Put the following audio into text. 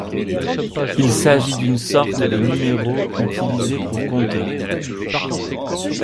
Il s'agit d'une sorte de numéraux utilisés pour compter.